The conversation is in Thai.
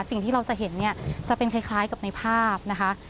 สิ่งที่เราจะเห็นเนี่ยจะเป็นคล้ายกับในภาพนะคะ